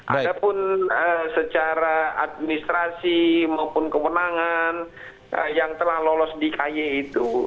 ada pun secara administrasi maupun kewenangan yang telah lolos di ky itu